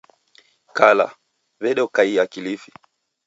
Kala, w'edokaiya Kilifi